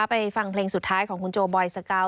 ฟังเพลงสุดท้ายของคุณโจบอยสกาว